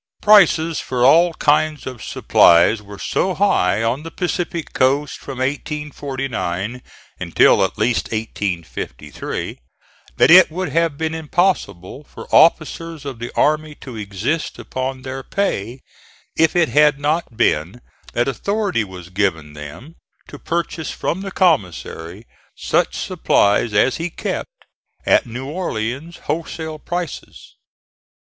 Prices for all kinds of supplies were so high on the Pacific coast from 1849 until at least 1853 that it would have been impossible for officers of the army to exist upon their pay, if it had not been that authority was given them to purchase from the commissary such supplies as he kept, at New Orleans wholesale prices.